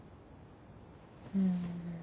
うん。